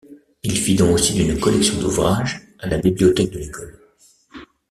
Il fit don aussi d'une collection d'ouvrages à la bibliothèque de l'école.